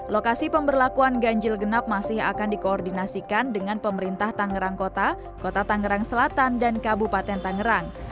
lokasi pemberlakuan ganjil genap masih akan dikoordinasikan dengan pemerintah tangerang kota kota tangerang selatan dan kabupaten tangerang